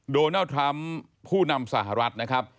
โดนัลด์ทรัมป์ผู้นำสหรัฐนะครับ